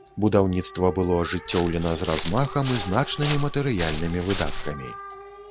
Будаўніцтва была ажыццёўлена з размахам і значнымі матэрыяльнымі выдаткамі.